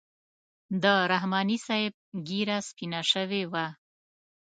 د رحماني صاحب ږیره سپینه شوې وه.